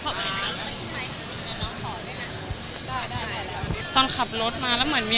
ขอบความขอบแปปนึงนะขอบมานี่